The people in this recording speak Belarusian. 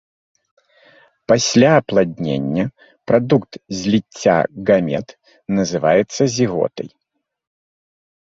Пасля апладнення, прадукт зліцця гамет, называецца зіготай.